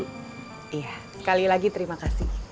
iya sekali lagi terima kasih